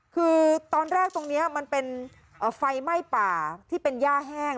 คือตอนแรกตรงนี้มันเป็นไฟไหม้ป่าที่เป็นย่าแห้ง